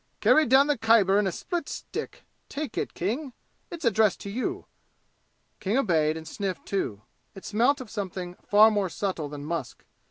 "Carried down the Khyber in a split stick! Take it, King it's addressed to you." King obeyed and sniffed too. It smelt of something far more subtle than musk.